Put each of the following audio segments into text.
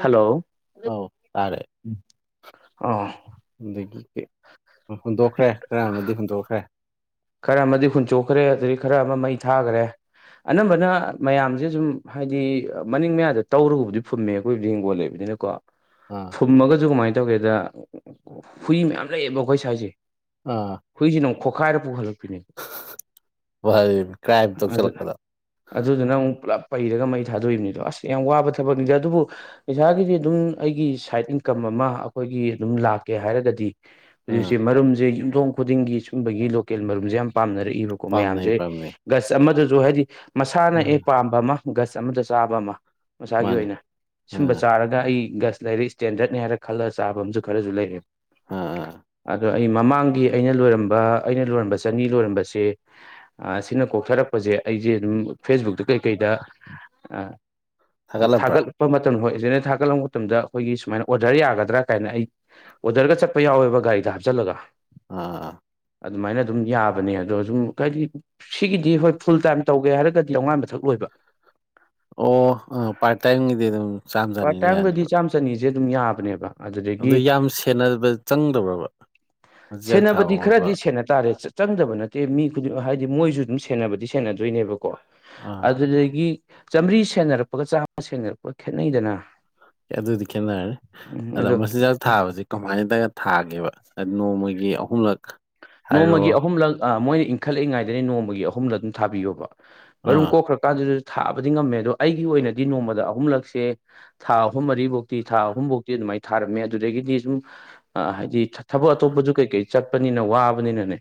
hello ꯑꯧ ꯇꯥꯔꯦ ꯑꯥ ꯑꯗꯒꯤ ꯍꯨꯟꯗꯣꯛꯈ꯭ꯔꯦ ꯈꯔꯥ ꯑꯃꯗꯤ ꯍꯨꯟꯗꯣꯛꯈ꯭ꯔꯦ ꯈꯔꯥ ꯑꯃꯗꯤ ꯍꯨꯟꯆꯣꯛꯈ꯭ꯔꯦ ꯑꯗꯒꯤ ꯈꯔꯥ ꯑꯃ ꯃꯩ ꯊꯥꯒ꯭ꯔꯦ ꯑꯅꯝꯕꯅ ꯃꯌꯥꯝꯁꯦ ꯁꯨꯝ ꯍꯥꯏꯗꯤ ꯃꯅꯤꯡ ꯃꯌꯥꯗ ꯇꯧꯔꯒꯕꯨꯗꯤ ꯐꯨꯝꯃꯦ ꯑꯩꯈꯣꯏꯕꯨꯗꯤ ꯍꯤꯡꯒꯣꯟ ꯂꯩꯕꯅꯤꯅ ꯀꯣ ꯑꯥ ꯐꯨꯝꯃꯒꯁꯨ ꯀꯃꯥꯏ ꯇꯧꯒꯦꯗ ꯍꯨꯏ ꯃꯌꯥꯝ ꯂꯩꯌꯦꯕ ꯑꯈꯣꯏ ꯁꯋꯥꯏꯁꯦ ꯑꯥ ꯍꯨꯏꯁꯤꯅꯃꯨꯛ ꯈꯣꯈꯥꯏꯔꯥ ꯄꯨꯈꯠꯂꯛꯄꯤꯅꯦ [inaudible] ꯀ꯭ꯔꯥꯏꯝ ꯑꯗꯨ ꯇꯧꯁꯤꯜꯂꯛꯄꯗ ꯑꯗꯨꯗꯨꯅ ꯑꯃꯨꯛ ꯄꯨꯂꯞ ꯄꯩꯔꯒ ꯃꯩ ꯊꯥꯗꯣꯛꯏꯕꯅꯤꯗꯣ ꯑꯁ ꯌꯥꯝ ꯋꯥꯕ ꯊꯕꯛꯅꯤꯗ ꯑꯗꯨꯕꯨ ꯄꯩꯁꯥꯒꯤꯗꯤ ꯑꯗꯨꯝ ꯑꯩꯒꯤ ꯁꯥꯏꯠ ꯏꯟꯀꯝ ꯑꯃ ꯑꯩꯈꯣꯏꯒꯤ ꯑꯗꯨꯝ ꯂꯥꯛꯀꯦ ꯍꯥꯏꯔꯒꯗꯤ ꯑꯥ ꯍꯧꯖꯤꯛꯁꯦ ꯃꯔꯨꯝꯁꯦ ꯌꯨꯝꯊꯣꯡ ꯈꯨꯗꯤꯡꯒꯤ ꯁꯨꯝꯕꯒꯤ ꯂꯣꯀꯦꯜ ꯃꯔꯨꯝꯁꯦ ꯌꯥꯝ ꯄꯥꯝꯅꯔꯛꯏꯕ ꯀꯣ ꯄꯥꯝꯅꯩ ꯃꯌꯥꯝꯁꯦ ꯄꯥꯝꯅꯩ ꯒꯁ ꯑꯃꯗꯁꯨ ꯍꯥꯏꯗꯤ ꯃꯁꯥꯅ ꯑꯥ ꯑꯦ ꯄꯥꯝꯕ ꯑꯃ ꯒꯁ ꯑꯃꯗ ꯆꯥꯕ ꯑꯃ ꯃꯁꯥꯒꯤ ꯃꯥꯅꯦ ꯑꯣꯏꯅ ꯁꯨꯝꯕ ꯑꯥ ꯆꯥꯔ ꯒ ꯑꯩ ꯒꯁ ꯂꯩꯔꯦ ꯏꯁꯇꯦꯟꯗꯔꯠꯅꯤ ꯍꯥꯏꯔ ꯈꯜꯂꯒ ꯆꯥꯕ ꯑꯃꯁꯨ ꯈꯔꯁꯨ ꯂꯩꯔꯦ ꯑꯥ ꯑꯥ ꯑꯗꯣ ꯑꯩ ꯃꯃꯥꯡꯒꯤ ꯑꯩꯅ ꯂꯣꯏꯔꯝꯕ ꯑꯩꯅ ꯂꯣꯏꯔꯝꯕ ꯆꯅꯤ ꯂꯣꯏꯔꯝꯕꯁꯦ ꯑꯥ ꯁꯤꯅ ꯀꯣꯛꯊꯔꯛꯄꯁꯦ ꯑꯩꯁꯦ ꯑꯗꯨꯝ ꯐꯦꯁꯕꯨꯛꯇ ꯀꯩꯀꯩꯗ ꯑꯥ ꯊꯥꯒꯠꯂꯛꯄ꯭ꯔꯥ ꯊꯥꯒꯠꯂꯛꯄ ꯃꯇꯝ ꯍꯣꯏ [inaudible] ꯊꯥꯒꯠꯂꯛꯄ ꯃꯇꯝꯗ ꯑꯩꯈꯣꯏꯒꯤ ꯁꯨꯃꯥꯏꯅ ꯑꯣꯔꯗꯔ ꯌꯥꯒꯗ꯭ꯔꯥ ꯀꯥꯏꯅ ꯑꯩ ꯑꯣꯗꯔꯒ ꯆꯠꯄ ꯌꯥꯎꯋꯦꯕ ꯒꯥꯔꯤꯗ ꯍꯥꯞꯆꯜꯂꯒ ꯑꯥ ꯑꯗꯨꯃꯥꯏꯅ ꯑꯗꯨꯝ ꯌꯥꯕꯅꯦ ꯑꯗꯣ ꯁꯨꯝ ꯈꯔꯗꯤ ꯁꯤꯒꯤꯗꯤ ꯍꯣꯏ ꯐꯨꯜ ꯇꯥꯏꯝ ꯇꯧꯒꯦ ꯍꯥꯏꯔꯒꯗꯤ ꯆꯧꯉꯥꯏꯃꯊꯛ ꯂꯣꯏꯕ ꯑꯣ ꯑꯥ ꯄꯥꯔꯠꯇꯥꯏꯝꯒꯤꯗꯤ ꯑꯗꯨꯝ ꯆꯥꯝ ꯄꯥꯔꯠ ꯆꯅꯤꯅ ꯇꯥꯏꯝꯒꯗꯤ ꯌꯥꯅꯤꯕ ꯆꯥꯝ ꯆꯅꯤꯁꯦ ꯑꯗꯨꯝ ꯌꯥꯕꯅꯦꯕ ꯑꯗꯨꯗꯒꯤ ꯑꯗꯨ ꯌꯥꯝ ꯁꯦꯟꯅꯕ ꯆꯪꯗꯕ꯭ꯔꯕ ꯃꯆꯤꯟꯖꯥꯛ ꯊꯥꯕ ꯁꯦꯟꯅꯕꯗꯤ ꯈꯣꯠꯄ ꯈꯔꯗꯤ ꯁꯦꯟꯅ ꯇꯥꯔꯦ ꯆꯪꯗꯕ ꯅꯠꯇꯦ ꯃꯤ ꯈꯨꯗꯤꯡꯃꯛ ꯍꯥꯏꯗꯤ ꯃꯣꯏꯁꯨ ꯑꯗꯨꯝ ꯁꯦꯟꯅꯕꯗꯤ ꯁꯦꯟꯅꯗꯣꯏꯅꯦꯕꯀꯣ ꯑꯥ ꯑꯗꯨꯗꯒꯤ ꯆꯥꯝꯕꯔꯤ ꯁꯦꯟꯅꯔꯛꯄꯒ ꯆꯥꯝꯃꯥ ꯁꯦꯟꯅꯔꯛꯄꯒ ꯈꯦꯠꯅꯩꯗꯅ ꯑꯗꯨꯗꯤ ꯈꯦꯠꯅꯔꯦ ꯎꯝ ꯑꯗꯥ ꯑꯗꯣ ꯃꯆꯤꯟꯖꯥꯛ ꯊꯥꯕꯁꯤ ꯀꯃꯥꯏꯅꯒ ꯊꯥꯒꯦꯕ ꯅꯣꯡꯃꯒꯤ ꯑꯍꯨꯝꯂꯛ ꯍꯥꯏꯔꯣ ꯅꯣꯡꯃꯒꯤ ꯑꯍꯨꯝꯂꯛ ꯑꯥ ꯃꯣꯏꯅ ꯏꯟꯈꯠꯂꯛꯏꯉꯩꯗꯅꯤ ꯅꯣꯡꯃꯒꯤ ꯑꯍꯨꯝꯂꯛ ꯑꯗꯨꯝ ꯊꯥꯕꯤꯌꯣꯕ ꯃꯔꯨꯝ ꯑꯥ ꯀꯣꯛꯈ꯭ꯔꯥ ꯀꯥꯟꯗꯖꯨ ꯊꯥꯕꯗꯤ ꯉꯝꯃꯦ ꯑꯗꯣ ꯑꯩꯒꯤ ꯑꯣꯏꯅꯗꯤ ꯅꯣꯡꯃꯥꯗ ꯑꯍꯨꯝꯂꯛꯁꯦ ꯊꯥ ꯑꯍꯨꯝ ꯃꯔꯤꯕꯧꯇꯤ ꯊꯥ ꯑꯍꯨꯝꯕꯧꯇꯤ ꯑꯗꯨꯃꯥꯏꯅ ꯊꯥꯔꯝꯃꯦ ꯑꯗꯨꯗꯒꯤꯗꯤ ꯁꯨꯝ ꯑꯥ ꯍꯥꯏꯗꯤ ꯊꯕꯛ ꯑꯇꯣꯞꯄꯁꯨ ꯀꯩ ꯀꯩ ꯆꯠꯄꯅꯤꯅ ꯋꯥꯕꯅꯤꯅꯅꯦ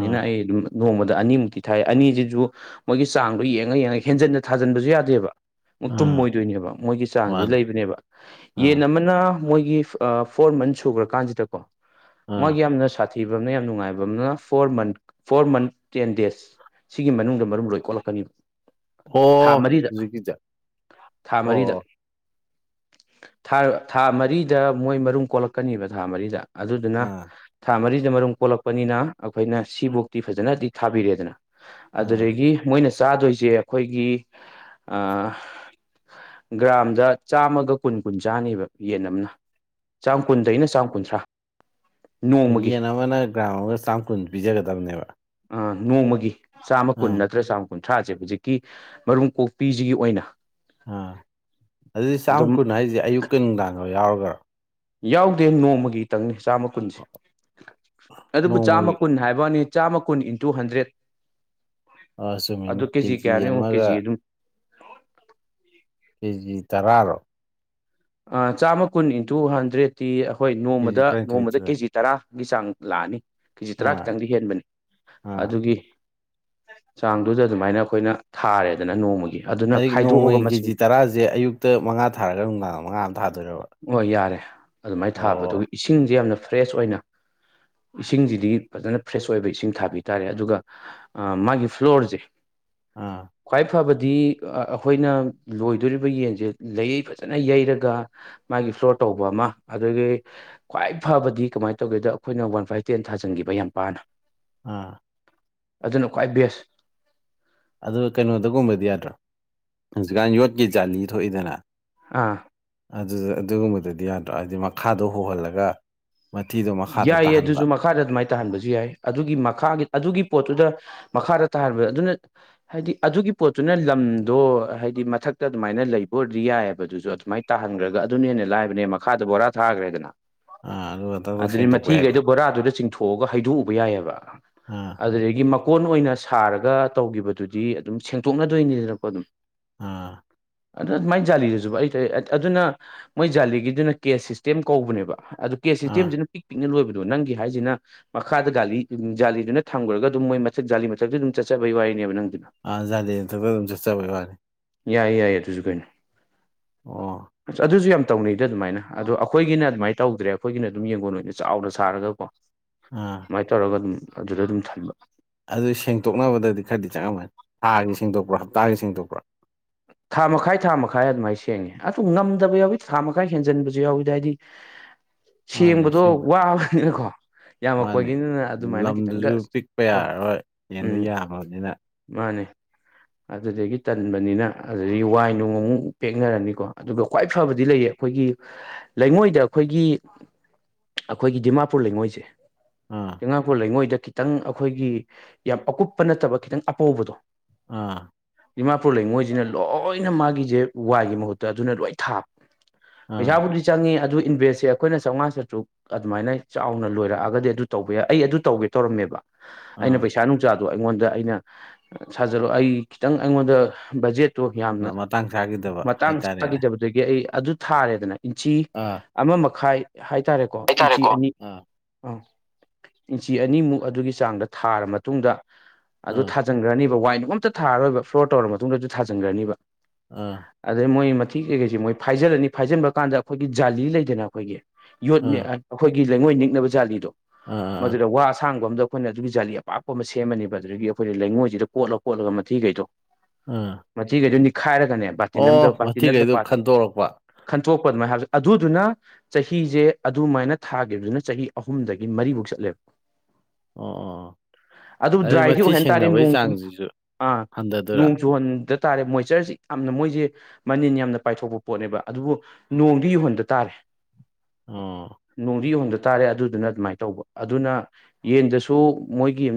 ꯑꯥ ꯑꯩ ꯑꯗꯨꯝ ꯅꯣꯡꯃꯥꯗ ꯑꯅꯤꯃꯨꯛꯇꯤ ꯊꯥꯏ ꯑꯅꯤꯁꯤꯁꯨ ꯃꯣꯏꯒꯤ ꯆꯥꯡꯗꯣ ꯌꯦꯡꯉꯥ ꯌꯦꯡꯉꯥ ꯍꯦꯟꯖꯟꯅ ꯊꯥꯖꯟꯕꯁꯨ ꯌꯥꯗꯦꯕ ꯑꯃꯨꯛ ꯑꯥ ꯇꯨꯝꯃꯣꯏꯗꯣꯏꯅꯦꯕ ꯃꯣꯏꯒꯤ ꯆꯥꯡꯁꯦ ꯃꯥꯅꯦ ꯂꯩꯕꯅꯦꯕ ꯑꯥ ꯌꯦꯟ ꯑꯃꯅ ꯃꯣꯏꯒꯤ ꯑꯥ ꯐꯣꯔ ꯃꯟꯁ ꯁꯨꯒꯔꯥꯀꯥꯟꯁꯤꯗꯀꯣ ꯑꯥ ꯃꯣꯏꯒꯤ ꯌꯥꯝꯅ ꯊꯤꯕ ꯑꯃꯅ ꯌꯥꯝ ꯅꯨꯡꯉꯥꯏꯕ ꯑꯃꯅ four month four month ten days ꯁꯤꯒꯤ ꯃꯅꯨꯡꯗ ꯃꯔꯨꯝ ꯂꯣꯏ ꯀꯣꯛꯂꯛꯀꯅꯤꯕ ꯊꯥ ꯑꯣ ꯃꯔꯤꯗ ꯍꯧꯖꯤꯛꯀꯤꯗ ꯊꯥ ꯃꯔꯤꯗ ꯑꯣ ꯑꯣ ꯊꯥ ꯊꯥ ꯃꯔꯤꯗ ꯃꯣꯏ ꯃꯔꯨꯝ ꯀꯣꯛꯂꯛꯀꯅꯤꯕ ꯊꯥ ꯃꯔꯤꯗ ꯑꯗꯨꯗꯨꯅ ꯑꯥ ꯊꯥ ꯃꯔꯤꯗ ꯃꯔꯨꯝ ꯀꯣꯛꯂꯛꯄꯅꯤꯅ ꯑꯈꯣꯏꯅ ꯁꯤꯕꯧꯇꯤ ꯐꯖꯅꯗꯤ ꯊꯥꯕꯤꯔꯦꯗꯅ ꯑꯗꯨꯗꯒꯤ ꯃꯣꯏꯅ ꯆꯥꯗꯣꯏꯖꯦ ꯑꯩꯈꯣꯏꯒꯤ ꯑꯥ ꯒ꯭ꯔꯥꯝꯗ ꯆꯥꯝꯃꯒ ꯀꯨꯟ ꯀꯨꯟ ꯆꯥꯅꯤꯕ ꯌꯦꯟ ꯑꯃꯅ ꯆꯥꯝ ꯀꯨꯟꯗꯩꯅ ꯆꯝ ꯀꯨꯟꯊ꯭ꯔꯥ ꯅꯣꯡꯃꯒꯤ ꯌꯦꯟ ꯑꯃꯅ ꯒ꯭ꯔꯥꯝ ꯑꯃꯒ ꯆꯥꯝ ꯀꯨꯟ ꯄꯤꯖꯒꯗ꯭ꯕꯅꯦꯕ ꯑꯥ ꯅꯣꯡꯃꯒꯤ ꯆꯥꯝꯃ ꯀꯨꯟ ꯅꯠꯇ꯭ꯔ ꯆꯥꯝꯃ ꯀꯨꯟꯊ꯭ꯔꯥꯖꯦ ꯍꯨꯖꯤꯛꯀꯤ ꯃꯔꯨꯝ ꯀꯣꯛꯄꯤꯖꯤꯒꯤ ꯑꯣꯏꯅ ꯑꯥ ꯑꯗꯨꯗꯤ ꯆꯥꯝ ꯑꯗꯨꯝ ꯀꯨꯟ ꯍꯥꯏꯖꯦ ꯑꯌꯨꯛꯀꯤ ꯅꯨꯡꯗꯥꯡꯒ ꯌꯥꯎꯔꯒ꯭ꯔꯣ ꯌꯥꯎꯗꯦ ꯅꯣꯡꯃꯒꯤꯇꯪꯅꯦ ꯆꯥꯝꯃ ꯀꯨꯟꯁꯦ ꯑꯗꯨꯕꯨ ꯆꯥꯝꯃ ꯅꯣꯡꯃꯒꯤ ꯀꯨꯟ ꯍꯥꯏꯕꯋꯅꯤ ꯆꯥꯝꯃ ꯀꯨꯟ ꯏꯟꯇꯨ ꯍꯟꯗ꯭ꯔꯦꯠ ꯑꯥ ꯑꯗꯨ ꯆꯨꯝꯃꯤꯅꯤ ꯀꯦꯖꯤ ꯀꯌꯥꯅꯣ ꯌꯦꯡꯉꯣ ꯑꯃꯒ ꯀꯦꯖꯤ ꯑꯗꯨꯝ ꯀꯦꯖꯤ ꯇꯔꯥꯔꯣ ꯑꯥ ꯆꯥꯝꯃ ꯀꯨꯟ ꯏꯟꯇꯨ ꯍꯟꯗ꯭ꯔꯦꯗꯠꯇꯤ ꯑꯈꯣꯏ ꯀꯦꯖꯤ ꯅꯣꯡꯃꯗ ꯅꯣꯡꯃꯗ ꯇꯔꯥꯅꯤꯊꯣꯏꯗꯨꯗ ꯀꯦꯖꯤ ꯇꯔꯥꯒꯤ ꯆꯥꯡ ꯂꯥꯛꯑꯅꯤ ꯀꯦꯖꯤ ꯇꯔꯥ ꯑꯥ ꯈꯤꯇꯪꯗꯤ ꯍꯦꯟꯕꯅꯤ ꯑꯥ ꯑꯗꯨꯒꯤ ꯆꯥꯡꯗꯨꯗ ꯑꯗꯨꯃꯥꯏꯅ ꯑꯈꯣꯏꯅ ꯊꯥꯔꯦꯗꯅ ꯅꯣꯡꯃꯒꯤ ꯑꯗꯨꯅ ꯑꯗꯒꯤ ꯈꯥꯏꯗꯣꯛꯑꯒ ꯅꯣꯡꯃꯒꯤ ꯀꯦꯖꯤ ꯃꯁꯤꯡ ꯇꯔꯥꯖꯦ ꯑꯌꯨꯛꯇ ꯃꯉꯥ ꯊꯥꯔꯒ ꯅꯨꯡꯗꯥꯡ ꯃꯉꯥ ꯑꯃ ꯊꯥꯗꯣꯏꯔꯥꯕ ꯑꯣ ꯌꯥꯔꯦ ꯑꯗꯨꯃꯥꯏꯅ ꯊꯥꯕ ꯑꯗꯨꯒ ꯏꯁꯤꯡꯖꯦ ꯌꯥꯝꯅ ꯐ꯭ꯔꯦꯁ ꯑꯣꯏꯅ ꯏꯁꯤꯡꯖꯤꯗꯤ ꯐꯖꯅ ꯐ꯭ꯔꯦꯁ ꯑꯣꯏꯕ ꯏꯁꯤꯡ ꯊꯥꯕꯤ ꯇꯥꯔꯦ ꯑꯗꯨꯒ ꯑꯥ ꯃꯥꯒꯤ ꯐ꯭ꯂꯣꯔꯖꯦ ꯑꯥ ꯈ꯭ꯋꯥꯏ ꯐꯕꯗꯤ ꯑꯈꯣꯏꯅ ꯂꯣꯏꯗꯣꯔꯤꯕ ꯌꯦꯟꯖꯦ ꯂꯩꯌꯩ ꯐꯖꯅ ꯌꯩꯔꯒ ꯃꯥꯒꯤ ꯏꯁ꯭ꯇꯣꯔ ꯇꯧꯕ ꯑꯃ ꯑꯗꯒꯤ ꯈ꯭ꯋꯥꯏ ꯐꯕꯗꯤ ꯀꯃꯥꯏꯅ ꯇꯧꯒꯦꯗ ꯑꯈꯣꯏꯅ ꯋꯥꯟ ꯐꯥꯏꯞ ꯇꯦꯟ ꯊꯥꯖꯟꯒꯤꯕ ꯌꯥꯝ ꯄꯥꯅ ꯑꯥ ꯑꯗꯨꯅ ꯈꯋ꯭ꯥꯏ ꯕꯦꯁ ꯑꯗꯨꯒ ꯀꯩꯅꯣꯗꯒꯨꯝꯕꯗꯤ ꯌꯥꯗ꯭ꯔꯣ ꯍꯧꯖꯤꯛꯀꯥꯟ ꯌꯣꯠꯀꯤ ꯖꯥꯂꯤ ꯊꯣꯛꯏꯗꯅ ꯑꯥ ꯑꯗꯨꯗ ꯑꯗꯨꯒꯨꯝꯕꯗꯨꯗꯤ ꯌꯥꯗ꯭ꯔꯣ ꯍꯥꯏꯗꯤ ꯃꯈꯥꯗꯣ ꯍꯣꯍꯜꯂꯒ ꯃꯊꯤꯗꯣ ꯃꯈꯥꯗ ꯌꯥꯏꯌꯦ ꯇꯥꯍꯟꯕ ꯑꯗꯨꯖꯨ ꯃꯈꯥ ꯃꯈꯥꯗ ꯑꯗꯨꯃꯥꯏꯅ ꯇꯥꯍꯟꯕꯖꯨ ꯌꯥꯏ ꯑꯗꯨꯒꯤ ꯃꯈꯥꯒꯤ ꯑꯗꯨꯒꯤ ꯄꯣꯠꯇꯨꯗ ꯃꯈꯥꯗ ꯇꯥꯍꯟꯕ ꯑꯗꯨꯅ ꯍꯥꯏꯗꯤ ꯑꯗꯨꯒꯤ ꯄꯣꯠꯇꯨꯅ ꯂꯝꯗꯣ ꯍꯥꯏꯗꯤ ꯃꯊꯛꯇ ꯑꯗꯨꯃꯥꯏꯅ ꯂꯩꯕ ꯑꯣꯏꯔꯗꯤ ꯌꯥꯏꯌꯦꯕꯗꯨꯖꯨ ꯑꯗꯨꯃꯥꯏ ꯇꯥꯍꯟꯒ꯭ꯔꯒ ꯑꯗꯨꯅ ꯍꯦꯟꯅ ꯂꯥꯏꯕꯅꯦ ꯃꯈꯥꯗ ꯕꯣꯔꯥ ꯊꯥꯒ꯭ꯔꯦꯗꯅ ꯑꯥ ꯑꯗꯨꯒ ꯗꯛ ꯗꯛ ꯑꯗꯨꯗꯤ ꯁꯦꯡꯗꯣꯛꯄ ꯃꯊꯤꯒꯩꯗꯣ ꯌꯥꯏꯗꯅ ꯕꯣꯔꯥꯗꯨꯗ ꯆꯤꯡꯊꯣꯛꯑꯒ ꯍꯩꯗꯣꯛꯎꯕ ꯌꯥꯏꯌꯦꯕ ꯑꯥ ꯑꯗꯨꯗꯒꯤ ꯀꯣꯟ ꯑꯣꯏꯅ ꯁꯥꯔꯒ ꯇꯧꯒꯤꯕꯗꯨꯗꯤ ꯑꯗꯨꯝ ꯁꯦꯡꯇꯣꯛꯅꯗꯣꯏꯅꯤꯗꯅꯀꯣ ꯑꯗꯨꯝ ꯑꯥ ꯑꯗꯨ ꯑꯗꯨꯃꯥꯏ ꯖꯥꯂꯤꯗꯨꯖꯨꯕ ꯑꯩ ꯑꯗꯨꯅ ꯃꯣꯏ ꯖꯥꯂꯤꯒꯤꯗꯨꯅ ꯀꯦꯁ ꯁꯤꯁꯇꯦꯝ ꯀꯧꯕꯅꯦꯕ ꯑꯗꯨ ꯑꯥ ꯁꯤꯁꯇꯦꯝꯖꯤꯅ ꯄꯤꯛ ꯄꯤꯛꯅ ꯂꯣꯏꯕꯗꯣ ꯅꯪꯒꯤ ꯍꯥꯏꯖꯤꯅ ꯃꯈꯥꯗ ꯒꯥꯂꯤ ꯖꯥꯂꯤꯗꯨꯅ ꯊꯝꯒ꯭ꯔꯒ ꯑꯗꯨꯝ ꯃꯣꯏ ꯃꯊꯛ ꯖꯥꯂꯤ ꯃꯊꯛꯇ ꯑꯗꯨꯝ ꯆꯠꯆꯕꯩ ꯋꯥꯔꯤꯅꯦꯕ ꯅꯪꯗꯨ ꯑꯥ ꯖꯥꯂꯤ ꯃꯊꯛꯇ ꯑꯗꯨꯝ ꯆꯠꯆꯕꯩ ꯋꯥꯅꯤ ꯌꯥꯏ ꯌꯥꯏ ꯑꯗꯨꯖꯨ ꯀꯩꯅꯣ ꯑꯣ ꯑꯗꯨꯖꯨ ꯌꯥꯝ ꯇꯧꯅꯩꯗ ꯑꯗꯨꯃꯥꯏꯅ ꯑꯗꯣ ꯑꯈꯣꯏꯒꯤꯅ ꯑꯗꯨꯃꯥꯏꯅ ꯇꯧꯗ꯭ꯔꯦ ꯑꯈꯣꯏꯒꯤꯅ ꯑꯗꯨꯝ ꯌꯦꯡꯒꯣꯟ ꯑꯣꯏꯅ ꯆꯥꯎꯅ ꯁꯥꯔꯒꯀꯣ ꯑꯥ ꯑꯗꯨꯃꯥꯏ ꯇꯧꯔꯒ ꯑꯗꯨꯝ ꯑꯗꯨꯗ ꯑꯗꯨꯝ ꯊꯝꯕ ꯑꯗꯨ ꯁꯦꯡꯇꯣꯛꯅꯕꯗꯗꯤ ꯈꯔꯗꯤ ꯆꯪꯉꯝꯃꯅꯤ ꯊꯥꯒꯤ ꯁꯦꯡꯗꯣꯛꯄ꯭ꯔꯥ ꯍꯞꯇꯥꯒꯤ ꯁꯦꯡꯗꯣꯛꯄ꯭ꯔꯥ ꯊꯥ ꯃꯈꯥꯏ ꯊꯥ ꯃꯈꯥꯏ ꯑꯗꯨꯃꯥꯏꯟ ꯁꯦꯡꯉꯤ ꯑꯗꯨ ꯉꯝꯗꯕ ꯌꯥꯎꯋꯤ ꯊꯥ ꯃꯈꯥꯏ ꯍꯦꯟꯖꯟꯕꯖꯨ ꯌꯥꯎꯋꯤꯗ ꯍꯥꯏꯗꯤ ꯃꯥꯅꯤ ꯁꯦꯡꯕꯗꯣ ꯁꯦꯡ ꯋꯥꯕꯅꯤꯅ ꯀꯣ ꯃꯥꯅꯤ ꯌꯥꯝꯃꯛꯄꯒꯤꯅꯤꯅ ꯑꯗꯨꯃꯥꯏꯟꯅ ꯈꯤꯇꯪꯒ ꯂꯝꯗꯨꯁꯨ ꯑꯁ ꯄꯤꯛꯄ ꯍꯣꯏ ꯌꯥꯔꯔꯣꯏ ꯌꯦꯟꯗꯣ ꯎꯝ ꯌꯥꯝꯃꯕꯅꯤꯅ ꯃꯥꯅꯦ ꯑꯗꯨꯗꯒꯤ ꯇꯟꯕꯅꯤꯅ ꯑꯗꯨꯗꯒꯤ ꯋꯥꯏ ꯅꯣꯡ ꯑꯃꯨꯛ ꯄꯦꯛꯅꯔꯅꯤ ꯀꯣ ꯑꯗꯨꯒ ꯈ꯭ꯋꯥꯏ ꯐꯕꯗꯤ ꯂꯩꯌꯦ ꯑꯩꯈꯣꯏꯒꯤ ꯂꯩꯉꯣꯏꯗ ꯑꯈꯣꯏꯒꯤ ꯑꯈꯣꯏꯒꯤ ꯗꯤꯃꯥꯄꯨꯔ ꯂꯩꯉꯣꯏꯁꯦ ꯑꯥ ꯗꯤꯃꯥꯄꯨꯔ ꯂꯩꯉꯣꯏꯗ ꯈꯤꯇꯪ ꯑꯈꯣꯏꯒꯤ ꯌꯥꯝ ꯑꯀꯨꯞꯄ ꯅꯠꯇꯕ ꯈꯤꯇꯪ ꯑꯄꯧꯕꯗꯣ ꯑꯥ ꯗꯤꯃꯥꯄꯨꯔ ꯂꯩꯉꯣꯏꯖꯤꯅ ꯂꯣꯏꯅ ꯃꯥꯒꯤꯖꯦ ꯋꯥꯏꯒꯤ ꯃꯍꯨꯠꯇ ꯑꯗꯨꯅ ꯂꯣꯏ ꯊꯥꯕ ꯑꯥ ꯄꯩꯁꯥꯕꯨꯗꯤ ꯆꯪꯉꯤ ꯑꯗꯨ ꯏꯟꯚꯦꯁꯦ ꯑꯩꯈꯣꯏ ꯆꯧꯉꯥ ꯆꯇ꯭ꯔꯨꯛ ꯑꯗꯨꯃꯥꯏꯅ ꯆꯥꯎꯅ ꯂꯣꯏꯔꯛꯑꯒꯗꯤ ꯑꯗꯨ ꯇꯧꯕ ꯌꯥꯏ ꯑꯩ ꯑꯗꯨ ꯇꯧꯒꯦ ꯇꯧꯔꯝꯃꯦꯕ ꯑꯩꯅ ꯑꯥ ꯄꯩꯁꯥ ꯅꯨꯡꯁꯥꯗꯣ ꯑꯩꯉꯣꯟꯗ ꯑꯩꯅ ꯁꯥꯖꯜꯂꯣ ꯑꯩ ꯈꯤꯇꯪ ꯑꯩꯉꯣꯟꯗ ꯕꯥꯖꯦꯠꯇꯨ ꯌꯥꯝꯅ ꯃ- ꯃꯇꯥꯡ ꯆꯥꯈꯤꯗꯕ ꯃꯇꯥꯡ ꯍꯥꯏꯇꯥꯔꯦꯅꯦ ꯆꯥꯒꯤꯗꯕ ꯑꯗꯨꯗꯒꯤ ꯑꯩ ꯑꯗꯨ ꯊꯥꯔꯦꯗꯅ ꯏꯟꯆꯤ ꯑꯥ ꯑꯃ ꯃꯈꯥꯏ ꯍꯥꯏꯇꯥꯔꯦ ꯀꯣ ꯏꯟꯆꯤ ꯀꯣ ꯑꯅꯤ ꯑꯥ ꯑꯥ ꯏꯟꯆꯤ ꯑꯅꯤꯃꯨꯛ ꯑꯗꯨꯒꯤ ꯆꯥꯡꯗ ꯊꯥꯔ ꯃꯇꯨꯡꯗ ꯑꯗꯨ ꯊꯥ ꯑꯥ ꯊꯥꯖꯤꯟꯒ꯭ꯔꯅꯤꯕ ꯋꯥꯏ ꯅꯨꯡ ꯑꯝꯇ ꯊꯥꯔꯣꯏꯕ ꯐ꯭ꯂꯣꯔ ꯇꯧꯔꯕ ꯃꯇꯨꯡꯗ ꯊꯥꯖꯤꯟꯒ꯭ꯔꯅꯤꯕ ꯑꯥ ꯑꯗꯩ ꯃꯣꯏ ꯃꯊꯤ ꯀꯩꯀꯩꯖꯤ ꯃꯣꯏ ꯐꯥꯏꯖꯤꯜꯂꯅꯤ ꯐꯥꯏꯖꯤꯟꯕ ꯀꯥꯟꯗ ꯑꯩꯈꯣꯏꯒꯤ ꯖꯥꯂꯤ ꯂꯩꯗꯅ ꯑꯩꯈꯣꯏꯒꯤ ꯌꯣꯠ ꯅꯤꯛ ꯑꯥ ꯑꯩꯈꯣꯏꯒꯤ ꯂꯩꯉꯣꯏ ꯅꯤꯛꯅꯕ ꯖꯥꯂꯤꯗꯣ ꯑꯥ ꯃꯗꯨꯗ ꯑꯥ ꯋꯥ ꯑꯁꯥꯡꯕ ꯑꯝꯗ ꯑꯩꯈꯣꯏꯅ ꯑꯗꯨꯒꯤ ꯖꯥꯂꯤ ꯑꯄꯥꯛꯄ ꯑꯃ ꯁꯦꯝꯃꯅꯤꯕ ꯑꯗꯨꯗꯒꯤ ꯑꯩꯈꯣꯏꯅ ꯂꯩꯉꯣꯏꯁꯤꯗ ꯀꯣꯠꯂ ꯀꯣꯠꯂꯒ ꯃꯊꯤꯒꯩꯗꯣ ꯑꯥ ꯃꯊꯤꯒꯩꯗꯨ ꯅꯤꯈꯥꯏꯔꯒꯅꯦ ꯕꯥꯇꯤꯟ ꯑꯝꯗ ꯑꯣ ꯕꯥꯇꯤꯟ ꯅꯠꯇ꯭ꯔ ꯃꯊꯤꯈꯩꯗꯣ ꯄꯥꯇ꯭ꯔ ꯈꯟꯗꯣꯔꯛꯄ ꯈꯟꯇꯣꯛꯄ ꯑꯗꯨꯃꯥꯏꯟ ꯍꯥꯏꯕ ꯑꯗꯨꯗꯨꯅ ꯆꯍꯤꯖꯦ ꯑꯗꯨꯃꯥꯏꯅ ꯊꯥꯒꯤꯕꯗꯨꯅ ꯆꯍꯤ ꯑꯍꯨꯝꯗꯒꯤ ꯃꯔꯤꯕꯥꯎ ꯆꯠꯂꯦ ꯑꯣ ꯑꯣ ꯑꯗꯨ ꯗ꯭ꯔꯥꯏꯗꯤ ꯃꯊꯤ ꯑꯣꯏꯍꯟ ꯇꯥꯔꯦ ꯁꯦꯡꯅꯕꯒꯤ ꯅꯣꯡ [unintelligible] ꯆꯥꯡꯁꯤꯁꯨ ꯑꯥ ꯍꯟꯊꯗꯣꯏꯔꯥ ꯅꯣꯡ ꯆꯨꯍꯟꯗ ꯇꯥꯔꯦ ꯃꯣꯏꯆꯔꯖꯤ ꯌꯥꯝꯅ ꯃꯣꯏꯖꯤ ꯃꯅꯤꯟ ꯌꯥꯝꯅ ꯄꯥꯏꯊꯣꯛꯄ ꯄꯣꯠꯅꯦꯕ ꯑꯗꯨꯕꯨ ꯅꯣꯡꯗꯤ ꯌꯨꯍꯟꯗ ꯇꯥꯔꯦ ꯑꯣ ꯅꯣꯡꯗꯤ ꯌꯨꯍꯟꯝꯗ ꯇꯥꯔꯦ ꯑꯗꯨꯗꯨꯅ ꯑꯗꯨꯃꯥꯏ ꯇꯧꯕ ꯑꯗꯨꯅ ꯌꯦꯟꯗꯁꯨ ꯃꯣꯏꯒꯤ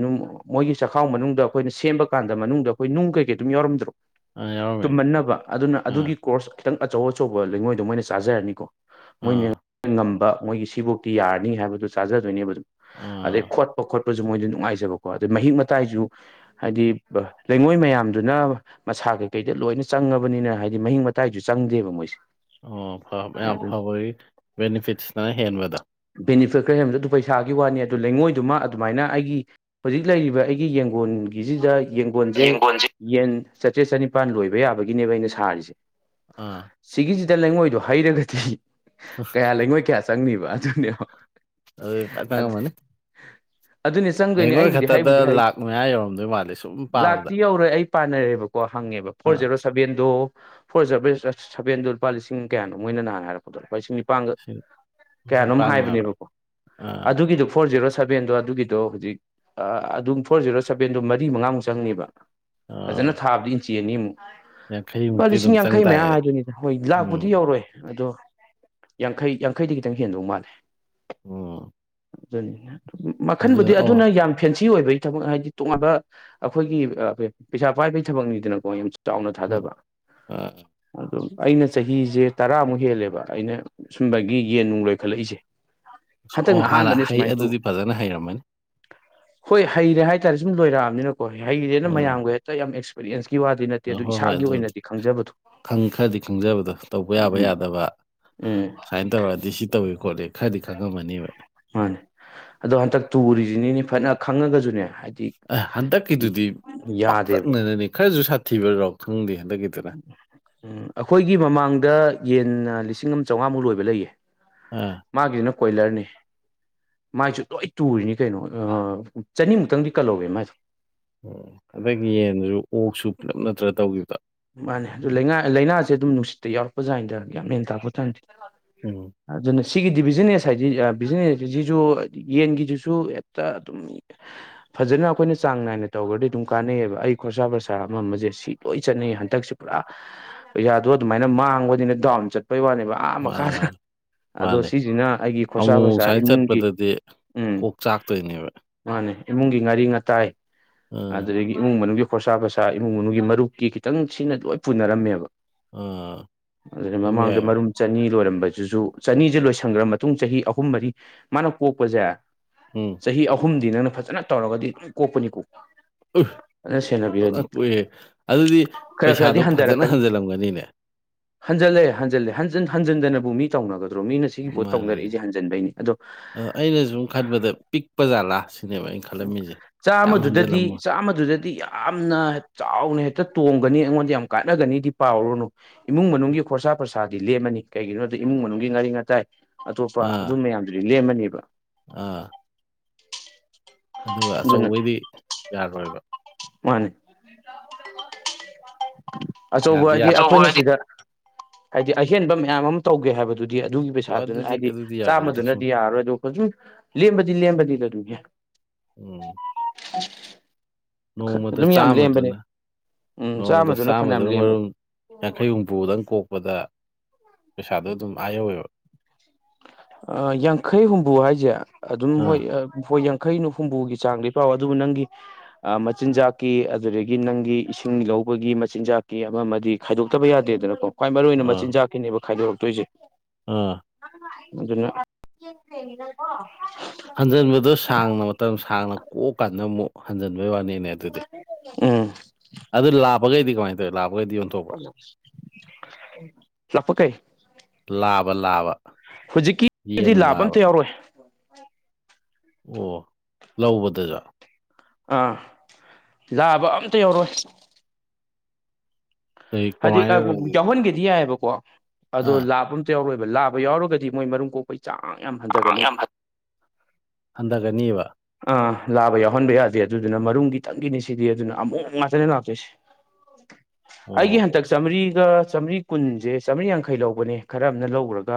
ꯃꯣꯏꯒꯤ ꯆꯈꯥꯎ ꯃꯅꯨꯡꯗ ꯑꯩꯈꯣꯏꯅ ꯁꯦꯝꯕ ꯀꯥꯟꯗ ꯃꯅꯨꯡꯗ ꯑꯩꯈꯣꯏ ꯅꯨꯡ ꯀꯩꯀꯩ ꯑꯗꯨꯝ ꯌꯥꯎꯔꯝꯗ꯭ꯔꯣ ꯑ ꯌꯥꯎꯔꯝꯃꯦ ꯇꯨꯝꯃꯟꯅꯕ ꯑꯗꯨꯅ ꯑꯥ ꯑꯗꯨꯒꯤ ꯀꯣꯔꯁ ꯈꯤꯇꯪ ꯑꯆꯧ ꯑꯆꯧꯕ ꯂꯩꯉꯣꯏꯗꯣ ꯃꯣꯏꯅ ꯆꯥꯖꯔꯅꯤꯀꯣ ꯃꯣꯏꯅ ꯑꯥ ꯉꯝꯕ ꯃꯣꯏꯒꯤ ꯁꯤꯕꯨꯛꯀꯤ ꯌꯥꯔꯅꯤ ꯍꯥꯏꯕꯗꯨ ꯆꯥꯖꯗꯣꯏꯅꯦꯕ ꯑꯗꯨꯝ ꯑꯝ ꯑꯗꯩ ꯈꯣꯠꯄ ꯈꯣꯠꯄꯖꯨ ꯃꯣꯏꯗ ꯅꯨꯡꯉꯥꯏꯖꯕ ꯀꯣ ꯑꯗꯩ ꯃꯍꯤꯛ ꯃꯇꯥꯏꯖꯨ ꯍꯥꯏꯗꯤ ꯕ ꯂꯩꯉꯣꯏ ꯃꯌꯥꯝꯗꯨꯅ ꯃꯁꯥ ꯀꯩꯀꯩꯗ ꯂꯣꯏꯅ ꯆꯪꯉꯕꯅꯤꯅ ꯍꯥꯏꯗꯤ ꯃꯍꯤꯛ ꯃꯇꯥꯏꯖꯨ ꯆꯪꯗꯦꯕ ꯃꯣꯏꯁꯦ ꯑꯣ ꯐꯕ ꯌꯥꯝ ꯑꯗꯨ ꯐꯕꯒꯤ ꯕꯦꯅꯤꯐꯤꯠꯁꯅ ꯍꯦꯟꯕꯗꯣ ꯕꯦꯅꯤꯐꯤꯠ ꯈꯩꯖꯨ ꯑꯗꯨ ꯄꯩꯁꯥꯒꯤ ꯋꯥꯅꯤ ꯑꯗꯨ ꯂꯩꯉꯣꯏꯗꯨꯃ ꯑꯗꯨꯃꯥꯏꯅ ꯑꯩꯒꯤ ꯍꯧꯖꯤꯛ ꯂꯩꯔꯤꯕ ꯑꯩꯒꯤ ꯌꯦꯡꯒꯣꯟꯒꯤꯖꯤꯗ ꯒꯣꯟꯁꯦ ꯌꯦꯡꯒꯣꯟꯁꯤ ꯌꯦꯟ ꯆꯥꯇ꯭ꯔꯦꯠ ꯆꯅꯤꯄꯥꯥꯟ ꯂꯣꯏꯕ ꯌꯥꯕꯒꯤꯅꯦꯕ ꯑꯩꯅ ꯁꯥꯔꯤꯁꯦ ꯑꯥ ꯁꯤꯒꯤꯖꯤꯗ ꯂꯩꯉꯣꯏꯗꯣ ꯍꯩꯔꯒꯗꯤ ꯀꯌꯥ ꯂꯩꯉꯣꯏ ꯀꯌꯥ ꯆꯪꯅꯤꯕ ꯑꯗꯨꯅꯦꯕ ꯑꯗꯨ ꯐꯖꯟ ꯆꯪꯉꯝꯃꯅꯤ ꯑꯗꯨꯅꯦ ꯆꯪꯗꯣꯏꯅꯦ ꯂꯩꯉꯣꯏ ꯑꯩꯕꯨꯗꯤ ꯈꯛꯇꯗ ꯍꯥꯏꯕꯨꯗꯤ ꯍꯥꯏ ꯂꯥꯛ ꯃꯌꯥ ꯌꯧꯔꯝꯗꯣꯏ ꯃꯥꯜꯂ‌ꯦ ꯁꯨꯝ ꯄꯥꯕꯗ ꯂꯥꯛꯇꯤ ꯌꯧꯔꯣꯏ ꯑꯩ ꯄꯥꯟꯅꯔꯦꯕꯀꯣ ꯍꯪꯉꯦꯕ ꯐꯣꯔ ꯑꯥ ꯖꯦꯔꯣ ꯁꯚꯦꯟꯗꯣ ꯐꯣꯔꯖꯕ‌ꯦꯁ ꯆꯁ ꯁꯚꯦꯟꯗꯣ ꯂꯨꯄꯥ ꯂꯤꯁꯤꯡ ꯀꯌꯥꯅꯣ ꯃꯣꯏꯅ ꯅꯍꯥꯟ ꯍꯥꯏꯔꯛ ꯂꯨꯄꯥ ꯂꯤꯁꯤꯡ ꯅꯤꯄꯥꯟꯒ ꯀꯌꯥꯅꯣꯝ ꯅꯤꯄꯥꯥꯟꯃꯨꯛ ꯍꯥꯏꯕ꯭ꯔꯥ ꯍꯥꯏꯕꯅꯦꯕꯀꯣ ꯑꯥ ꯑꯗꯨꯒꯤꯗꯨ ꯐꯣꯔ ꯖꯦꯔꯣ ꯁꯚꯦꯟꯗꯣ ꯑꯗꯨꯒꯤꯗꯣ ꯍꯧꯖꯤꯛ ꯑꯗꯨꯝ ꯐꯣꯔ ꯖꯦꯔꯣ ꯁꯚꯦꯟꯗꯣ ꯃꯔꯤ ꯃꯉꯥꯃꯨꯛ ꯆꯪꯅꯤꯕ ꯐꯖꯅ ꯑꯥ ꯊꯥꯕꯤ ꯏꯟꯆꯤ ꯑꯅꯤ ꯑꯃꯨꯛ ꯂꯨꯄꯥ ꯌꯥꯡꯈꯩꯃꯨꯛꯇꯤ ꯂꯤꯁꯤꯡ ꯑꯗꯨꯝ ꯆꯪ ꯌꯥꯡꯈꯩ ꯃꯌꯥ ꯇꯥꯔꯦ ꯍꯥꯏꯗꯨꯅꯤꯗ ꯍꯣꯏ ꯎꯝ ꯂꯥꯛꯄꯨꯗꯤ ꯌꯧꯔꯣꯏ ꯑꯗꯣ ꯌꯥꯡꯈꯩ ꯌꯥꯡꯈꯩꯗꯤ ꯈꯤꯇꯪ ꯍꯦꯟꯗꯧ ꯃꯥꯜꯂꯦ ꯑꯣ ꯑꯗꯨꯅꯤ ꯃꯈꯟꯕꯨꯗꯤ ꯑꯣ ꯑꯗꯨꯅ ꯌꯥꯝ ꯐꯦꯟꯁꯤ ꯑꯣꯏꯕꯩ ꯊꯕꯛ ꯍꯥꯏꯗꯤ ꯇꯣꯡꯉꯥꯟꯕ ꯑꯈꯣꯏꯒꯤ ꯑ ꯄꯩꯁꯥ ꯄꯥꯏꯕꯩ ꯊꯕꯛꯅꯤꯗꯅꯀꯣ ꯌꯥꯝ ꯆꯥꯎꯅ ꯊꯥꯗꯕ ꯑꯗꯨꯝ ꯑꯩꯅ ꯆꯍꯤꯖꯦ ꯇꯔꯥꯃꯨꯛ ꯍꯦꯜꯂꯦꯕ ꯑꯩꯅ ꯁꯨꯝꯕꯒꯤ ꯌꯦꯟ ꯅꯨꯡ ꯂꯣꯏꯈꯠꯂꯛꯏꯖꯦ ꯑꯣ ꯍꯥꯟꯅ ꯍꯩ ꯑꯗꯨꯗꯤ ꯐꯖꯅ ꯍꯩꯔꯝꯃꯅꯤ ꯍꯣꯏ ꯍꯩꯔꯦ ꯍꯥꯏꯇꯥꯔꯦ ꯁꯨꯝ ꯂꯣꯏꯔꯛꯑꯝꯅꯤꯅꯀꯣ ꯍꯩꯔꯦꯅ ꯎꯝ ꯃꯌꯥꯝꯒ ꯍꯦꯛꯇ ꯌꯥꯝ ꯑ‌ꯦꯛꯁ ꯄꯤꯑꯦꯟꯁꯀꯤ ꯋꯥꯠ ꯗꯤ ꯑ ꯅꯠꯇꯦ ꯑꯗꯨ ꯍꯣꯏ ꯍꯣꯏ ꯏꯁꯥꯒꯤ ꯑꯣꯏꯅꯗꯤ ꯈꯪꯖꯕꯗꯣ ꯈꯪ ꯈꯔꯗꯤ ꯈꯪꯖꯕꯗꯣ ꯇꯧꯕ ꯌꯥꯕ ꯎꯝ ꯌꯥꯗꯕ ꯎꯝ ꯁꯨꯃꯥꯏꯅ ꯇꯧꯔꯛꯑꯗꯤ ꯁꯤ ꯇꯧꯋꯦ ꯈꯣꯠꯂꯦ ꯈꯔꯗꯤ ꯈꯪꯉꯝꯃꯅꯦꯕ ꯃꯥꯅꯦ ꯑꯗꯣ ꯍꯟꯇꯛ ꯇꯨꯔꯤꯖꯤꯅꯤꯅ‌ꯦ ꯐꯅ ꯈꯪꯉꯒꯖꯨꯅꯦ ꯍꯥꯏ ꯑ ꯍꯟꯗꯛꯀꯤꯗꯨꯗꯤ ꯌꯥꯗꯦꯕ ꯄꯥꯛꯇꯛꯅꯅꯅꯤ ꯈꯔꯖꯨ ꯁꯥꯊꯤꯕꯔꯣꯛ ꯈꯪꯗꯦ ꯍꯟꯗꯛꯀꯤꯗꯨ ꯎꯝ ꯑꯈꯣꯏꯒꯤ ꯃꯃꯥꯡꯗ ꯌꯦꯟꯅ ꯂꯤꯁꯤꯡ ꯑꯃ ꯆꯥꯎꯉꯥꯃꯨꯛ ꯂꯣꯏꯕ ꯂꯩꯌꯦ ꯑꯥ ꯃꯥꯒꯤꯖꯤꯅ ꯀꯣꯏꯂ꯭ꯔꯅꯤ ꯃꯥꯏꯖꯨ ꯂꯣꯏ ꯇꯨꯔꯤꯅꯤ ꯀꯩꯅꯣ ꯑ ꯆꯅꯤꯃꯨꯛꯇꯪꯗꯤ ꯀꯜꯍꯧꯋꯦ ꯃꯥꯏꯗꯨ ꯎꯝ ꯑꯗꯒꯤ ꯌꯦꯟꯖꯨ ꯑꯣꯛꯁꯨ ꯄꯨꯂꯞ ꯅꯠꯇ꯭ꯔ ꯇꯧꯒꯤꯕꯗꯣ ꯃꯥꯅꯦ ꯑꯗꯨ ꯂꯩꯉꯥ ꯂꯩꯅꯥꯖ‌ꯦ ꯑꯗꯨꯝ ꯅꯨꯡꯁꯤꯠꯇ ꯌꯥꯎꯔꯛꯄꯖꯥꯠꯅꯤꯗ ꯒ꯭ꯌꯥꯟ ꯃꯦꯟ ꯇꯥꯕꯇꯥꯟꯇꯦ ꯎꯝ ꯑꯗꯨꯅ ꯁꯤꯒꯤꯗꯤ ꯕꯤꯖꯤꯅꯦꯁ ꯍꯥꯏꯗꯤ ꯑ ꯕꯤꯖꯤꯅꯦꯁ ꯁꯤ ꯖꯤꯖꯨ ꯌꯦꯟꯒꯤꯖꯤꯁꯨ ꯍꯦꯛꯇ ꯑꯗꯨꯝ ꯐꯖꯅ ꯑꯈꯣꯏꯅ ꯆꯥꯡ ꯅꯥꯏꯅ ꯇꯧꯒ꯭ꯔꯗꯤ ꯑꯗꯨꯝ ꯀꯥꯟꯅꯩꯌꯦꯕ ꯑꯩ ꯈꯣꯔꯁꯥ ꯄ꯭ꯔꯁꯥ ꯑꯃ ꯑꯃꯖꯦ ꯁꯤ ꯂꯣꯏ ꯆꯠꯅꯩ ꯍꯟꯇꯛꯁꯨ ꯄꯨꯔꯥ ꯄꯩꯁꯥꯗꯨ ꯑꯗꯨꯃꯥꯏꯅ ꯃꯥꯡꯕꯗꯤꯅ ꯗꯥꯎꯟ ꯆꯠꯄꯩ ꯋꯥꯅꯦꯕ ꯑꯥ ꯃꯥꯅꯦ ꯃꯈꯥꯗ ꯃꯥꯅꯦ ꯑꯗꯣ ꯃꯥꯅꯦ ꯁꯤꯖꯤꯅ ꯑꯩꯒꯤ ꯈꯣꯔꯁꯥ ꯑꯃꯨꯛ ꯑꯃꯨꯛ ꯄꯨꯔꯁꯥ ꯁꯨꯃꯥꯏꯅ ꯏꯃꯨꯡꯒꯤ ꯆꯠꯄꯗꯗꯤ ꯎꯝ ꯀꯣꯛ ꯆꯥꯛꯇꯣꯏꯅꯦꯕ ꯃꯥꯅꯦ ꯏꯃꯨꯡꯒꯤ ꯉꯥꯔꯤ ꯉꯇꯥꯏ ꯑ ꯏꯃꯨꯡ ꯃꯅꯨꯡꯒꯤ ꯈꯣꯔꯁꯥ ꯄ꯭ꯔꯁꯥ ꯏꯃꯨꯡ ꯃꯅꯨꯡꯒꯤ ꯃꯔꯨꯞꯀꯤ ꯈꯤꯇꯪ ꯁꯤꯅ ꯂꯣꯏ ꯄꯨꯅꯔꯝꯃꯦꯕ ꯑꯥ ꯑꯗꯨꯗ ꯑꯗꯨꯝ ꯃꯃꯥꯡꯗ ꯌꯥꯏꯑꯕ ꯃꯔꯨꯝ ꯆꯅꯤ ꯂꯣꯏꯔꯝꯕꯖꯤꯖꯨ ꯆꯅꯤꯖꯦ ꯂꯣꯏꯁꯟꯒ꯭ꯔ ꯃꯇꯨꯡ ꯆꯍꯤ ꯑꯍꯨꯝ ꯃꯔꯤ ꯃꯥꯅ ꯀꯣꯛꯄꯖꯦ ꯎꯝ ꯆꯍꯤ ꯑꯍꯨꯝꯗꯤ ꯅꯪꯅ ꯐꯖꯅ ꯇꯧꯔꯒꯗꯤ ꯑꯗꯨꯝ ꯀꯣꯛꯄꯅꯤꯀꯣ ꯎ ꯐꯖꯅ ꯀ‌ꯣꯛꯑꯦꯍ‌ꯦ ꯑꯗꯨꯗꯤ ꯈꯔ ꯈꯔꯗꯤ ꯄꯩꯁꯥꯗꯣ ꯐꯖꯅ ꯍꯟꯊꯔꯛꯀꯅꯤ ꯍꯟꯖꯜꯂꯝꯒꯅꯤꯅꯦ ꯍꯟꯖꯜꯂꯦ ꯍꯟꯖꯜꯂꯦ ꯍꯟꯖꯟ ꯍꯟꯖꯟꯗꯅꯕꯨ ꯃꯤ ꯇꯧꯅꯒꯗ꯭ꯔꯣ ꯃꯤꯅ ꯁꯤꯒꯤ ꯄꯣꯠ ꯃꯥꯅꯦ ꯇꯧꯅꯔꯛꯏꯖ‌ꯦ ꯍꯟꯖꯟꯕꯩꯅꯤ ꯑꯗꯣ ꯕꯗ ꯄꯤꯛ ꯄꯥꯖꯥꯜꯂ ꯎꯝ ꯆꯥꯝꯃꯗꯨꯗꯗꯤ ꯆꯥꯝꯃꯗꯨꯗꯗꯤ ꯌꯥꯝ ꯌꯥꯝꯅ ꯆꯥꯎꯅ ꯍꯦꯛꯇ ꯇꯣꯡꯒꯅꯤ ꯑꯩꯉꯣꯟꯗ ꯌꯥꯝ ꯀꯥꯅꯒꯅꯤꯗꯤ ꯄꯥꯎꯔꯨꯔꯅꯨ ꯏꯃꯨꯡ ꯃꯅꯨꯡꯒꯤ ꯈꯣꯔꯁꯥ ꯄ꯭ꯔꯁꯥꯗꯤ ꯂꯦꯝꯃꯅꯤ ꯀꯩꯒꯤꯅꯣꯗꯤ ꯏꯃꯨꯡ ꯃꯅꯨꯡꯒꯤ ꯉꯥꯔꯤ ꯉꯥꯇꯥꯏ ꯑꯇꯣꯞꯄ ꯑꯗꯨ ꯑꯥ ꯃꯌꯥꯝꯗꯨꯗꯤ ꯂꯦꯝꯃꯅꯦꯕ ꯑꯥ ꯑꯗꯨꯒ ꯑꯆꯧꯕꯩꯗꯤ ꯌꯥꯔꯣꯏꯕ ꯃꯥꯅꯦ ꯑꯆꯧꯕ ꯌꯥꯗꯤ ꯍꯥꯏꯗꯤ ꯌꯥꯗꯦ ꯑꯈꯣꯏꯅ ꯁꯤꯗ ꯍꯥꯏꯗꯤ ꯑꯍꯦꯟꯕ ꯃꯌꯥꯝ ꯑꯃ ꯇꯧꯒꯦ ꯍꯥꯏꯕꯗꯨꯗꯤ ꯑꯗꯨꯒꯤ ꯍꯣꯏ ꯄꯩꯁꯥꯗꯨꯅ ꯑꯗꯨꯗꯤ ꯍꯥꯏꯗꯤ ꯑꯗꯨꯗꯤ ꯌꯥꯔꯣꯏꯗ ꯁꯨꯝ ꯆꯥꯝꯃꯗꯨꯅꯗꯤ ꯌꯥꯔꯣꯏ ꯑꯗꯨ ꯍꯧꯖꯤꯛ ꯂꯦꯝꯕꯗꯤ ꯂꯦꯝꯕꯅꯤꯗ ꯑꯗꯨꯝ ꯌꯥꯏ ꯎꯝ ꯅꯣꯡꯃꯗ ꯑꯗꯨꯝ ꯌꯥꯝ ꯂꯦꯝꯕꯅꯦ ꯆꯥꯝꯃꯗꯨꯅ ꯎꯝ ꯅꯣꯡꯃꯗ ꯐꯅꯌꯥꯝ ꯆꯥꯝꯃꯗꯨꯅ ꯂꯦꯝꯕꯅꯦ ꯃꯔꯨꯝ ꯌꯥꯡꯈꯩ ꯍꯨꯝꯐꯨꯗꯪ ꯀꯣꯛꯄꯗ ꯄꯩꯁꯥꯗꯣ ꯑꯗꯨꯝ ꯑꯥꯌꯧꯋꯦꯕ ꯑꯥ ꯌꯥꯡꯈꯩ ꯍꯨꯝꯐꯨ ꯍꯥꯏꯁꯦ ꯑꯗꯨꯝ ꯍꯣꯏ ꯑꯥ ꯑ ꯍꯣꯏ ꯌꯥꯡ ꯈꯩꯅ ꯍꯨꯝꯐꯨꯒꯤ ꯆꯥꯡꯗꯤ ꯄꯥꯎ ꯑꯗꯨꯕꯨ ꯅꯪꯒꯤ ꯑꯥ ꯃꯆꯤꯟꯖꯥꯛꯀꯤ ꯑꯗꯨꯗꯒꯤ ꯅꯪꯒꯤ ꯏꯁꯤꯡ ꯂꯧꯕꯒꯤ ꯃꯆꯤꯟꯖꯥꯛꯀꯤ ꯑꯃ ꯑꯃꯗꯤ ꯈꯥꯏꯗꯣꯛꯇꯕ ꯌꯥꯗꯦꯗꯅꯀꯣ ꯈ꯭ꯋꯥꯏ ꯃꯔꯨ ꯑꯣꯏꯅ ꯑꯥ ꯃꯆꯤꯟꯖꯥꯛꯀꯤꯅꯦꯕ ꯈꯥꯏꯗꯣꯔꯛꯇꯣꯏꯖꯦ ꯑꯥ ꯑꯗꯨꯅ ꯍꯟꯖꯟꯕꯗꯣ ꯁꯥꯡꯅ ꯃꯇꯝ ꯁꯥꯡꯅ ꯀꯣꯛꯑꯀꯥꯟꯗ ꯑꯃꯨꯛ ꯍꯟꯖꯤꯟꯕꯩ ꯋꯥꯅꯤꯅꯦ ꯑꯗꯨꯗꯤ ꯎꯝ ꯑꯗꯨ ꯂꯥꯕꯒꯩꯗꯤ ꯀꯃꯥꯏꯅ ꯇꯧꯋꯦ ꯂꯥꯕꯒꯩꯗꯤ ꯌꯣꯟꯊꯣꯛ ꯂꯥꯞꯄ ꯀꯩ ꯂꯥꯕ ꯂꯥꯕ ꯍꯧꯖꯤꯛꯀꯤꯗꯤ ꯂꯥꯕ ꯑꯝꯇ ꯌꯥꯎꯔꯣꯏ ꯑꯣ ꯂꯧꯕꯗꯖꯨ ꯑꯥ ꯂꯥꯕ ꯑꯝꯇ ꯌꯥꯎꯔꯣꯏ ꯀꯩ ꯍꯥꯏꯗꯤ ꯀꯃꯥꯏꯅ ꯌꯥꯎꯍꯟꯒꯦꯗꯤ ꯌꯥꯏꯌꯦꯕꯀꯣ ꯑꯗꯣ ꯑꯥ ꯂꯥꯕ ꯌꯥꯎꯔꯣꯏꯕ ꯂꯥꯕ ꯌꯥꯎꯔꯒꯗꯤ ꯃꯣꯏ ꯃꯔꯨꯝ ꯀꯣꯛꯄ ꯆꯥꯡ ꯌꯥꯝ ꯍꯟꯗꯒꯅꯤ ꯌꯥꯝ ꯐ ꯍꯟꯊꯒꯅꯤꯕ ꯑꯥ ꯂꯥꯕ ꯌꯥꯎꯍꯟꯕ ꯌꯥꯗꯦ ꯑꯗꯨꯗꯨꯅ ꯃꯔꯨꯝ ꯒꯤꯇꯪꯒꯤꯅꯤ ꯁꯤꯗꯤ ꯑꯗꯨꯅ ꯑꯃꯣꯝ ꯉꯥꯛꯇꯅꯦ ꯂꯥꯛꯇꯣꯏꯁꯦ ꯑꯩꯒꯤ ꯑꯣ ꯍꯟꯗꯛ ꯆꯥꯃꯔꯤꯒ ꯆꯥꯝꯔꯤ ꯀꯨꯟꯖꯦ ꯆꯥꯝꯔꯤ ꯌꯥꯡꯈꯩ ꯂꯧꯕꯅꯦ ꯈꯔ ꯑꯃꯅ ꯂꯧꯒ꯭ꯔꯒ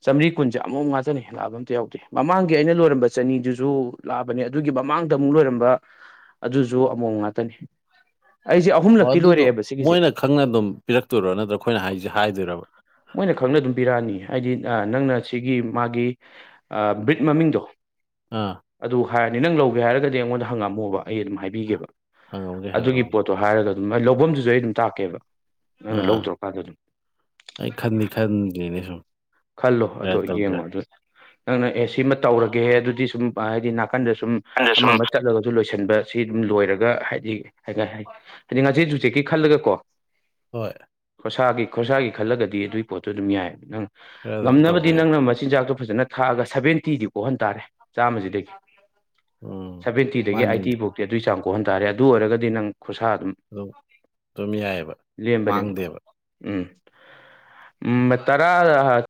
ꯆꯥꯝꯔꯤ ꯀꯨꯟꯖꯦ ꯑꯃꯣꯝ ꯉꯥꯇꯅꯦ ꯂꯥꯕ ꯑꯝꯇ ꯌꯥꯎꯗꯦ ꯃꯃꯥꯡꯒꯤ ꯑꯩꯅ ꯂꯣꯏꯔꯝꯕ ꯆꯅꯤꯗꯨꯖꯨ ꯂꯥꯕꯅꯦ ꯑꯗꯨꯒꯤ ꯃꯃꯥꯡꯗ ꯑꯃꯨꯛ ꯂꯣꯏꯔꯝꯕ ꯑꯗꯨꯖꯨ ꯑꯃꯣꯝ ꯉꯥꯇꯅꯦ ꯑꯩꯖꯦ ꯑꯣ ꯑꯍꯨꯝꯂꯛꯇꯤ ꯑꯗꯨꯗꯣ ꯂꯣꯏꯔꯛꯑꯦꯕ ꯁꯤꯒꯤꯁꯦ ꯃꯣꯏꯅ ꯈꯪꯅ ꯑꯗꯨꯝ ꯄꯤꯔꯛꯇꯣꯏꯔꯣ ꯅꯠꯇ꯭ꯔꯣ ꯑꯩꯈꯣꯏꯅ ꯍꯥꯏꯖꯦ ꯍꯥꯏꯗꯣꯏꯔꯕ ꯃꯣꯏꯅ ꯈꯪꯅ ꯑꯗꯨꯝ ꯄꯤꯔꯛꯑꯅꯤ ꯍꯥꯏꯗꯤ ꯅꯪꯅ ꯁꯤꯒꯤ ꯃꯥꯒꯤ ꯑꯥ ꯕ꯭ꯔꯤꯠ ꯃꯃꯤꯡꯗꯣ ꯑꯥ ꯑꯗꯨ ꯍꯥꯏꯔꯅꯤ ꯅꯪ ꯂꯧꯒꯦ ꯍꯥꯏꯔꯒꯗꯤ ꯑꯩꯉꯣꯟꯗ ꯍꯪꯉꯛꯑꯝꯃꯣꯕ ꯑꯩ ꯑꯗꯨꯝ ꯍꯥꯏꯕꯤꯒꯦꯕ ꯍꯪꯉꯝꯒꯦ ꯑꯗꯨꯒꯤ ꯍꯪꯉꯝꯒꯦ ꯄꯣꯠ ꯇꯣ ꯍꯥꯏꯔꯒ ꯑꯗꯨꯝ ꯑꯩ ꯂꯧꯕꯝꯗꯨꯖꯨ ꯑꯩ ꯑꯗꯨꯝ ꯇꯥꯛꯀꯦꯕ ꯅꯪꯅ ꯑꯥ ꯂꯧꯗꯣꯔꯀꯥꯟꯗ ꯑꯗꯨꯝ ꯑꯩ ꯈꯟꯗꯤ ꯈꯟꯗ꯭ꯔꯤꯅꯦ ꯁꯨꯝ ꯈꯜꯂꯣ ꯈꯔ ꯑꯗꯣ ꯇꯧꯁꯤꯔ ꯌꯦꯡꯉꯣ ꯑꯗꯣ ꯅꯪꯅ ꯑꯦ ꯁꯤ ꯑꯃ ꯇꯧꯔꯒꯦꯍꯦ ꯑꯗꯨꯗꯤ ꯁꯨꯝ ꯍꯥꯏꯗꯤ ꯅꯥꯀꯟꯗ ꯁꯨꯝ ꯑꯗ ꯑꯃ ꯁꯨꯝ ꯑꯃ ꯆꯠꯂꯒꯁꯨ ꯂꯣꯏꯁꯟꯕ ꯁꯤ ꯑꯗꯨꯝ ꯂꯣꯏꯔꯒ ꯍꯥꯏꯗꯤ ꯍꯥꯏ ꯍꯥꯏꯗꯤ ꯉꯆꯦꯠ ꯌꯨꯆꯦꯠꯀꯤ ꯈꯜꯂꯒ ꯀꯣ ꯍꯣꯏ ꯈꯣꯔꯁꯥꯒꯤ ꯈꯣꯔꯁꯥꯒꯤ ꯈꯜꯂꯒꯗꯤ ꯑꯗꯨꯒꯤ ꯄꯣꯠꯇꯨ ꯑꯗꯨꯝ ꯌꯥꯏ ꯅꯪ ꯈꯔ ꯑꯗꯨꯝ ꯇꯧꯕ ꯉꯝꯅꯕꯗꯤ ꯌꯥꯏ ꯅꯪꯅ ꯃꯆꯤꯟꯖꯥꯛꯇꯣ ꯐꯖꯅ ꯊꯥꯛꯑꯒ ꯁꯕꯦꯟꯇꯤꯗꯤ ꯀꯣꯛꯍꯟ ꯇꯥꯔꯦ ꯆꯥꯝꯃꯖꯤꯗꯒꯤ ꯎꯝ ꯁꯚꯦꯟꯇꯤꯗꯒꯤ ꯑꯥꯏꯇꯤ ꯃꯥꯅꯤꯅꯦ ꯕꯧꯇꯤ ꯑꯗꯨꯏ ꯆꯥꯡ ꯀꯣꯛꯍꯟ ꯇꯥꯔꯦ ꯑꯗꯨ ꯑꯣꯏꯔꯒꯗꯤ ꯅꯪ ꯈꯣꯔꯁꯥ ꯑꯗꯨꯝ ꯑꯗꯨꯝ ꯌꯥꯏꯑꯕ ꯂꯦꯝꯕꯅꯦꯕ ꯃꯥꯡꯗꯦꯕ ꯎꯝ ꯎꯝ ꯇꯔꯥꯔꯥ